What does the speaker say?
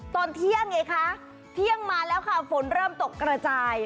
ตอนเที่ยงไงคะเที่ยงมาแล้วค่ะฝนเริ่มตกกระจาย